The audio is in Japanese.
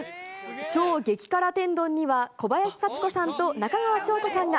超激辛天丼には、小林幸子さんと中川翔子さんが。